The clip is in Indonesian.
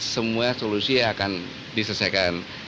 semua solusi akan diselesaikan